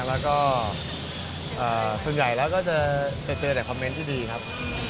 แล้วก็ส่วนใหญ่แล้วก็จะเจอแต่คอมเมนต์ที่ดีครับ